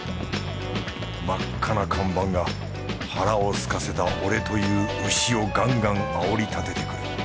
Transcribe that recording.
真っ赤な看板が腹を空かせた俺という牛をガンガン煽り立ててくる。